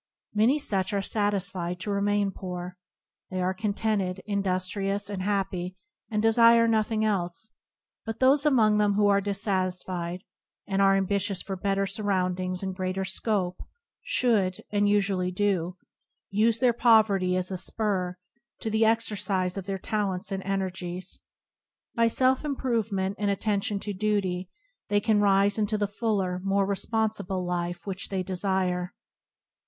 Many such are satisfied to remain poor. They are contented, industri ous, and happy, and desire nothing else; but those among them who are dissatisfied, and are ambitious for better surroundings and greater scope, should, and usually do, use their poverty as a spur to the exercise of their talents and energies. By self improve ment and attention to duty, they can rise into the fuller, more responsible life which they desire.